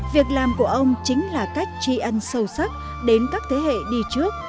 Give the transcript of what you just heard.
việc làm của ông chính là cách chi ăn sâu sắc đến các thế hệ đi trước